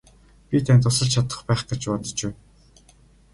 Би танд тусалж чадах байх гэж бодож байна.